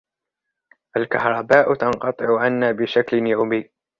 الكهرباء تنقطع عنا بشكلٍ يَومي.